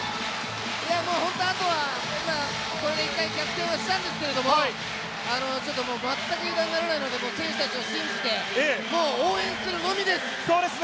本当にあとは１回逆転はしたんですけれど、まったく油断ならないので、選手たちを信じて応援するのみです。